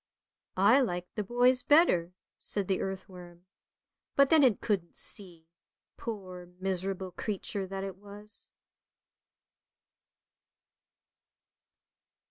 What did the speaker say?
" I liked the boys better," said the earthworm, but then it couldn't see, poor, miserable creature that it was.